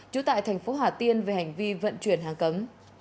trú tại thành phố hà tiên về hành vi vận chuyển hàng cấm